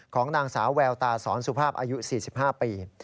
ของนางสาวแววตาสอนสุภาพอายุ๔๕ปี